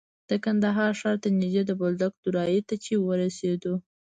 د کندهار ښار ته نژدې د بولدک دوراهي ته چې ورسېدو.